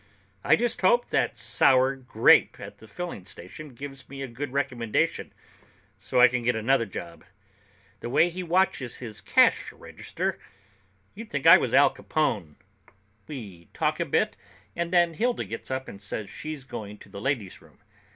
"I just hope that sour grape at the filling station gives me a good recommendation so I can get another job. The way he watches his cash register, you'd think I was Al Capone." We talk a bit, and then Hilda gets up and says she's going to the ladies' room.